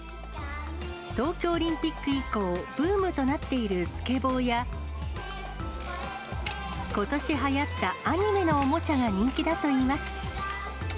東京オリンピック以降、ブームとなっているスケボーや、ことしはやったアニメのおもちゃが人気だといいます。